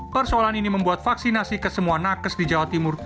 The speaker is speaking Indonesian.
persoalan ini membuat vaksinasi ke semua nakes di jawa timur